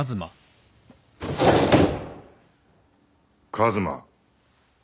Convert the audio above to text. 一馬。